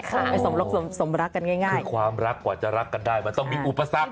คือความรักกว่าจะรักกันได้มันมีอุปสรรค